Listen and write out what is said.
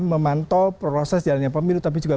memantau proses jalannya pemilu tapi juga